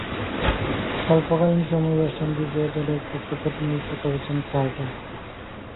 স্বল্পকালীন সময়ে West Indies এ-দলের পক্ষে প্রতিনিধিত্ব করেছেন কার্টার।